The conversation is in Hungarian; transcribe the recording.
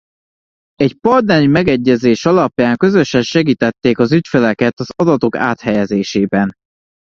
Egy partneri megegyezés alapján közösen segítették az ügyfeleket az adatok áthelyezésében.